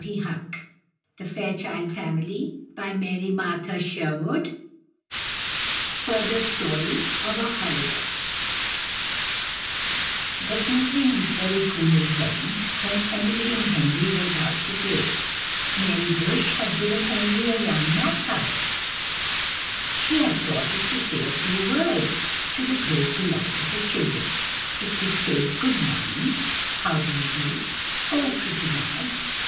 "] Further Story of a Holiday [Illustration: "She will get amongst the shrubs," said Emily] The evening was very cool and pleasant, when Emily and Henry went out to play. Mary Bush had given Henry a young magpie; she had taught it to say a few words, to the great delight of the children. It could say, "Good morning!" "How do you do?" "Oh, pretty Mag!"